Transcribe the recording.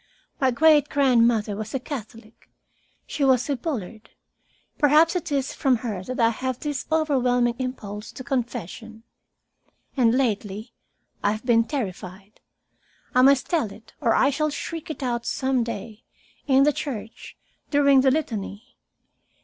My great grandmother was a Catholic. She was a Bullard. Perhaps it is from her that I have this overwhelming impulse to confession. And lately I have been terrified. I must tell it, or I shall shriek it out some day, in the church, during the Litany.